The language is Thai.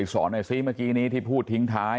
สอนหน่อยซิเมื่อกี้นี้ที่พูดทิ้งท้าย